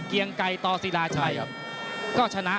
เกียงไก่ต่อศิลาชัยก็ชนะ